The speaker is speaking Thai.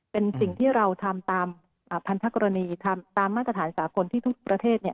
เป็นสิ่งที่เราทำตามพันธกรณีทำตามมาตรฐานสากลที่ทุกประเทศ